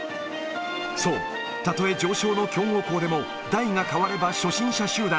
そう、たとえ常勝の強豪校でも、代が代われば初心者集団。